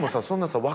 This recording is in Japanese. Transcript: そんなさ